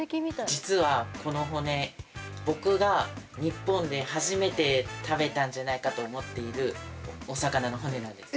実はこの骨僕が日本で初めて食べたんじゃないかと思っているお魚の骨なんです。